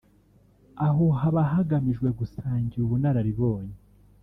aho haba hagamijwe gusangira ubunararibonye